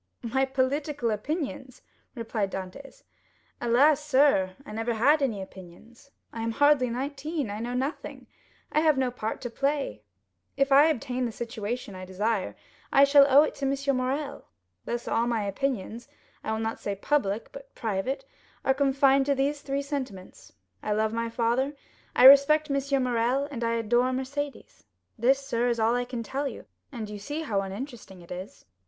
"My political opinions!" replied Dantès. "Alas, sir, I never had any opinions. I am hardly nineteen; I know nothing; I have no part to play. If I obtain the situation I desire, I shall owe it to M. Morrel. Thus all my opinions—I will not say public, but private—are confined to these three sentiments,—I love my father, I respect M. Morrel, and I adore Mercédès. This, sir, is all I can tell you, and you see how uninteresting it is."